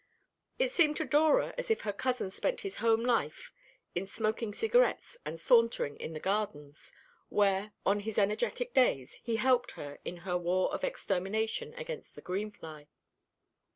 It seemed to Dora as if her cousin spent his home life in smoking cigarettes and sauntering in the gardens, where, on his energetic days, he helped her in her war of extermination against the greenfly.